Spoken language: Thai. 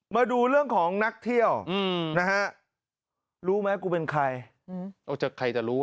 มาดูเรื่องของนักเที่ยวนะฮะรู้ไหมกูเป็นใครใครจะรู้